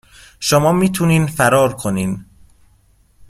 شما میتونین فرار کنین